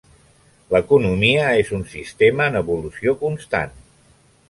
L'economia és un sistema en evolució constant.